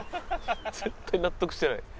絶対納得してない。